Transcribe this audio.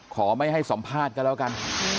ไม่ให้สัมภาษณ์ก็แล้วกัน